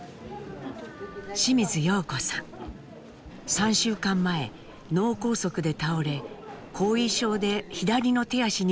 ３週間前脳梗塞で倒れ後遺症で左の手足にまひが残ります。